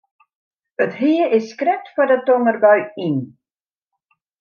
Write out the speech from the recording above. It hea is krekt foar de tongerbui yn.